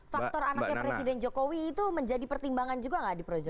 faktor anaknya presiden jokowi itu menjadi pertimbangan juga nggak di projo